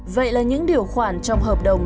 vậy là những điều khoản trong hợp đồng